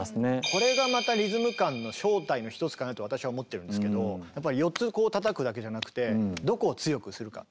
これがまたリズム感の正体の一つかなと私は思ってるんですけど４つこうたたくだけじゃなくてどこを強くするか。